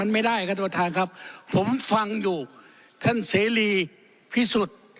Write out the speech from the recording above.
ไม่ได้ครับท่านประธานครับผมฟังอยู่ท่านเสรีพิสุทธิ์